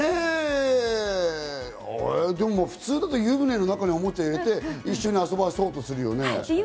普通だと湯船の中におもちゃを入れて、一緒に遊ばそうとするよね。